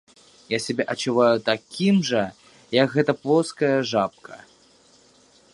Я сябе адчуваю такім жа, як гэтая плоская жабка.